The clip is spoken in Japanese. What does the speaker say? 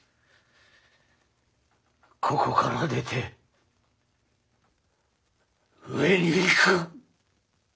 ここから出て上に行く！